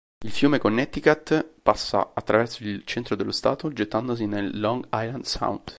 Il fiume Connecticut passa attraverso il centro dello Stato, gettandosi nel Long Island Sound.